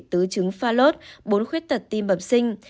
tứ trứng pha lốt bốn khuyết tật tim bậm sinh